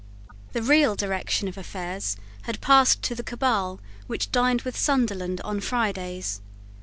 The real direction of affairs had passed to the cabal which dined with Sunderland on Fridays.